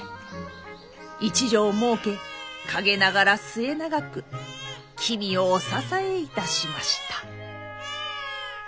一女をもうけ陰ながら末永く君をお支えいたしました。